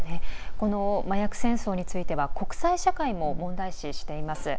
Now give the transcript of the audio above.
この麻薬戦争については国際社会も問題視しています。